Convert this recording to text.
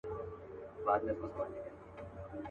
مرګ دی د زاړه او ځوان ګوره چي لا څه کیږي.